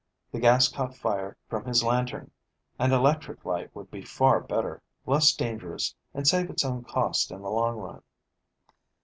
The gas caught fire from his lantern. An electric light would be far better, less dangerous, and save its own cost in the long run."